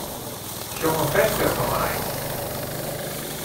Sjong in ferske foar my.